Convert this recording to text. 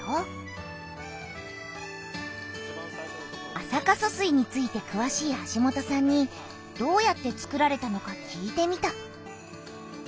安積疏水についてくわしい橋本さんにどうやってつくられたのか聞いてみた。